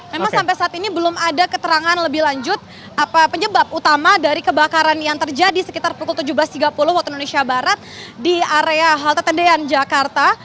memang sampai saat ini belum ada keterangan lebih lanjut apa penyebab utama dari kebakaran yang terjadi sekitar pukul tujuh belas tiga puluh waktu indonesia barat di area halte tendean jakarta